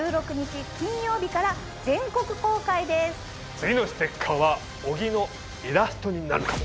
次のステッカーは小木のイラストになるかも！